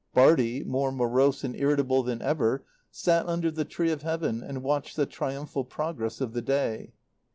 Bartie, more morose and irritable than ever, sat under the tree of Heaven and watched the triumphal progress of the Day.